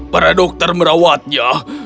para dokter merawatnya